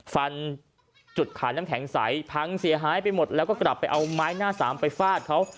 ฟันจุดขายน้ำแข็งใสพังเสียหายไปหมดแล้วก็กลับไปเอาไม้หน้าสามไปฟาดเขา